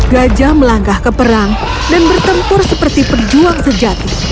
gajah yang berperang seperti perjuang sejati